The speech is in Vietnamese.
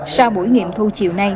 sau buổi nghiệm thu chiều nay